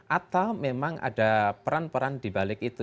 atau memang ada peran peran dibalik itu